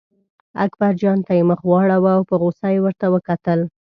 اکبرجان ته یې مخ واړاوه او په غوسه یې ورته وکتل.